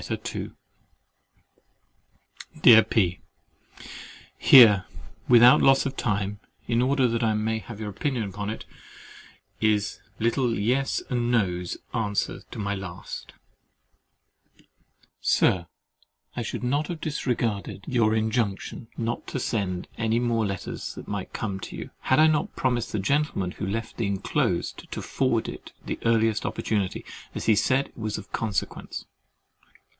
LETTER II Dear P——, Here, without loss of time, in order that I may have your opinion upon it, is little Yes and No's answer to my last. "Sir, I should not have disregarded your injunction not to send you any more letters that might come to you, had I not promised the Gentleman who left the enclosed to forward it the earliest opportunity, as he said it was of consequence.